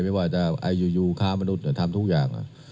ไม่ว่าจะอยู่ค้ามนุษย์ทำทุกอย่าง